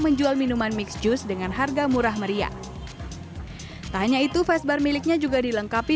menjual minuman mix juice dengan harga murah meriah tanya itu vesbar miliknya juga dilengkapi